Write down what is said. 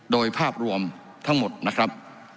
โดยภาพรวมทั้งหมดนะครับ